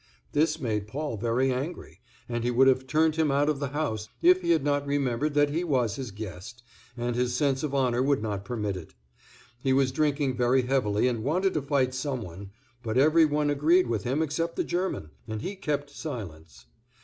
This made Paul very angry, and he would have turned him out of the house if he had not remembered that he was his guest, and his sense of honor would not permit it. He was drinking very heavily and wanted to fight some one, but every one agreed with him except the German, and he kept silence.